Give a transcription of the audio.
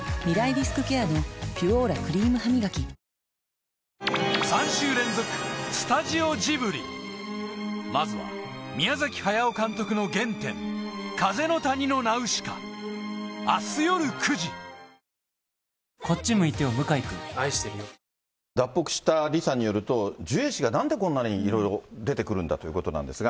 リスクケアの「ピュオーラ」クリームハミガキ脱北したリさんによると、ジュエ氏がなんでこんなにいろいろ出てくるんだということなんですが。